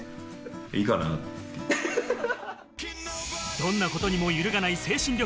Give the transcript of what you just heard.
どんなことにも揺るがない精神力